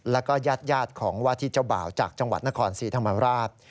แล้วก็ญาติของวาธิเจ้าบ่าวจากจังหวัดนครศรีธรรมราช